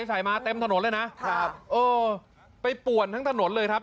ใส่มาเต็มถนนเลยนะครับเออไปป่วนทั้งถนนเลยครับ